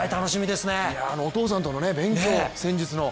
お父さんとの勉強戦術の。